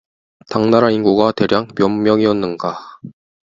당나라 인구가 대략 몇 명이었는가?